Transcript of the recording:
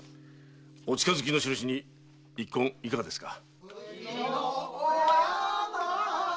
お近づきのしるしに一献いかがですか？